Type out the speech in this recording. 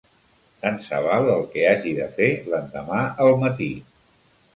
Tant se val el que hagi de fer l'endemà al matí.